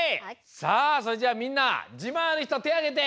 さあそれじゃあみんなじまんあるひとてあげて！